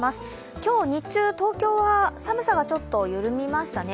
今日日中、東京は寒さがちょっと緩みましたね。